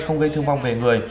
không gây thương vong về người